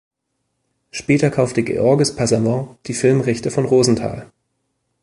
Später kaufte Georges Passavant die Filmrechte von Rosenthal.